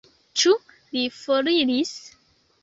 Ĉu li foriris?